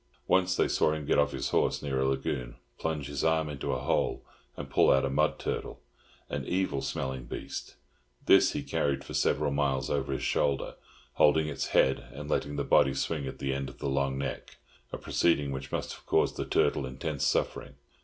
Once they saw him get off his horse near a lagoon, plunge his arm into a hole, and pull out a mud turtle, an evil smelling beast; this he carried for several miles over his shoulder, holding its head, and letting the body swing at the end of the long neck—a proceeding which must have caused the turtle intense suffering.